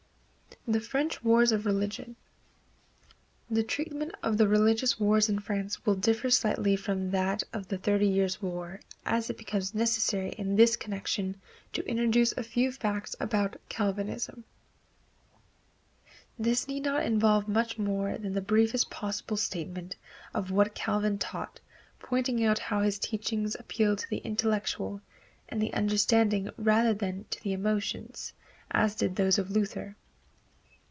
The French Wars of Religion. The treatment of the religious wars in France will differ slightly from that of the Thirty Years' War, as it becomes necessary in this connection to introduce a few facts about Calvinism. This need not involve much more than the briefest possible statement of what Calvin taught, pointing out how his teachings appealed to the intellect and the understanding rather than to the emotions, as did those of Luther.